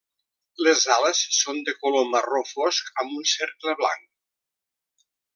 Les ales són de color marró fosc amb un cercle blanc.